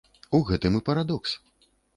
У гэтым і парадокс.